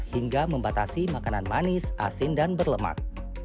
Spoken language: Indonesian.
hingga membatasi makanan manis asin dan berlemak